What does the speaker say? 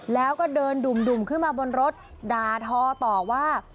แล้วก็เดินดุ่มขึ้นมาบนรถด่าทอต่อว่า